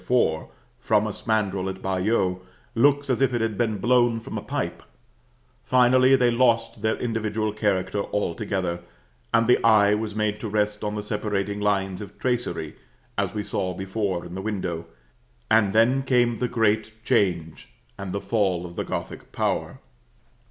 4, from a spandril at Bayeux, looks as if it had been blown from a pipe; finally, they lost their individual character altogether, and the eye was made to rest on the separating lines of tracery, as we saw before in the window; and then came the great change and the fall of the Gothic power.